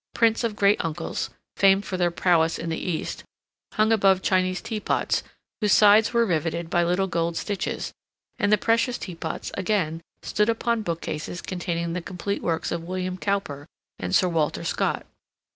Prints of great uncles, famed for their prowess in the East, hung above Chinese teapots, whose sides were riveted by little gold stitches, and the precious teapots, again, stood upon bookcases containing the complete works of William Cowper and Sir Walter Scott.